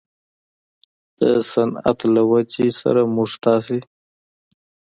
د صنعت له ودې سره موږ تاسې